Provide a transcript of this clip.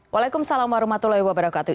waalaikumsalam warahmatullahi wabarakatuh